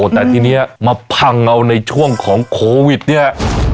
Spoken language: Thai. แต่ทีนี้มาพังเอาในช่วงของโควิดเนี่ย